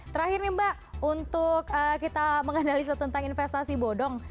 terakhir nih mbak untuk kita menganalisa tentang investasi bodong